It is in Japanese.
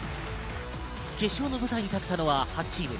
決勝の舞台に立ったのは８チーム。